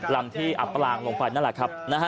ลำที่อับปลางลงไปนั่นแหละครับ